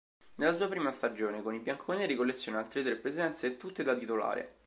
Nella sua prima stagione con i bianconeri colleziona altre tre presenze, tutte da titolare.